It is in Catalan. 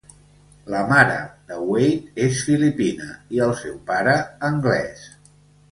La mare de Wade és filipina i el seu pare anglès.